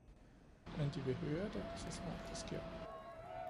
men De vil høre det, så snart det sker.